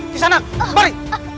di sana sembari